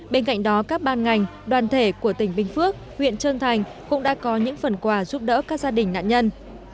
bên cạnh đó các ban ngành đoàn thể của tỉnh bình phước huyện trơn thành cũng đã có những phần quà giúp đỡ các gia đình nạn nhân